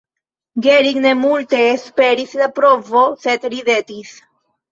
Gering ne multe esperis de la provo, sed ridetis.